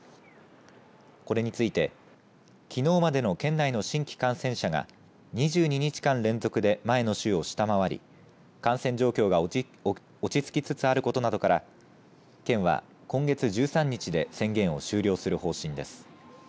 これについてきのうまでの県内の新規感染者が２２日間連続で前の週を下回り感染状況が落ち着きつつあることなどから県は今月１３日で宣言を終了する方針です。